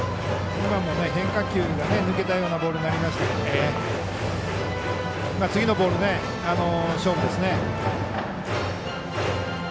今も変化球が抜けたようなボールになりましたけど次のボール、勝負ですね。